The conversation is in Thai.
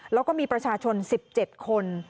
แล้วก็มีประชาชน๑๗คน